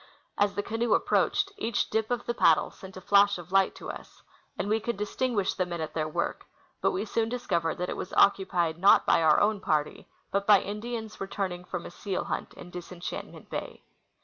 As the canoe approached, each dip of the paddle sent a flash of light to us, and we could distinguish the men at their work ; but we soon discovered that it was occu23ied not by our own party but by Indians returning from a seal hunt in Disenchantment bay.